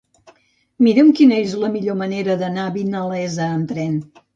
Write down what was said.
Mira'm quina és la millor manera d'anar a Vinalesa amb tren.